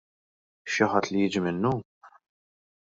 Xi ħadd li jiġi minnu?